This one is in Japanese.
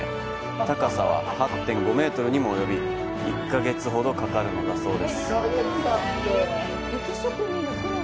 高さは８．５メートルにも及び１ヶ月ほどかかるのだそうです。